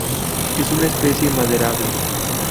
Es una especie maderable.